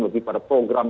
lebih pada program